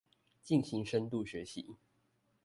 進行深度學習